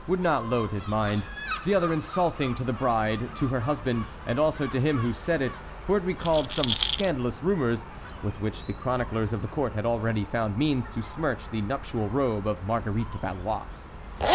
would not load his mind; the other insulting to the bride, to her husband, and also to him who said it, for it recalled some scandalous rumors with which the chroniclers of the court had already found means to smirch the nuptial robe of Marguerite de Valois.